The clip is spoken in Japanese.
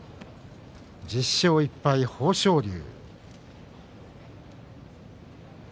１０勝１敗、豊昇龍。